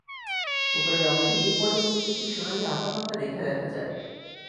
উপরের অংশে নীল পটভূমিতে একটি সোনালি আঁকাবাঁকা রেখা দেখা যায়।